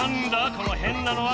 このへんなのは！